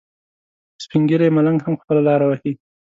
سپین ږیری ملنګ هم خپله لاره وهي.